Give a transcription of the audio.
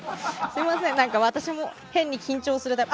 すみません、私も変に緊張して。